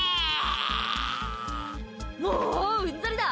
もう、うんざりだ！